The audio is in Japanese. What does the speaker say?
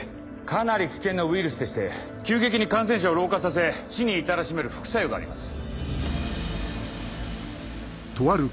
かなり危険なウイルスでして急激に感染者を老化させ死に至らしめる副作用があります。